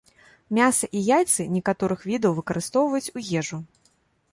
Мяса і яйцы некаторых відаў выкарыстоўваюць у ежу.